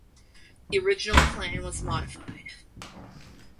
The original plan was modified.